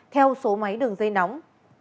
theo số máy đường dây nóng